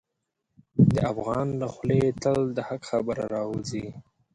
د افغان له خولې تل د حق خبره راوځي.